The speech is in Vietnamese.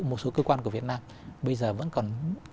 một số cơ quan của việt nam bây giờ vẫn còn